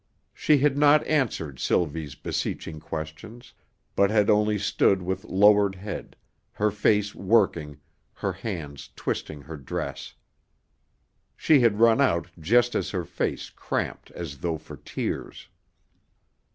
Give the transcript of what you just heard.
She had not answered Sylvie's beseeching questions, but had only stood with lowered head, her face working, her hands twisting her dress. She had run out just as her face cramped as though for tears.